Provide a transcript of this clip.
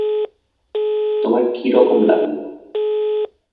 তোমার কী রকম লাগল?